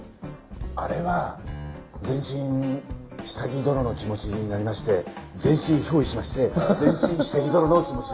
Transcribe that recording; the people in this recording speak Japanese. あれは全身下着ドロの気持ちになりまして全身憑依しまして全身下着ドロの気持ち。